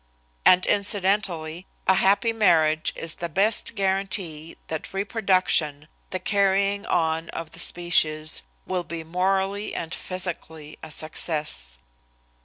And incidentally, a happy marriage is the best guarantee that reproduction, the carrying on of the species, will be morally and physically a success.